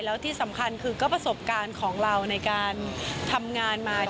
แล้วที่สำคัญคือก็ประสบการณ์ของเราในการทำงานมา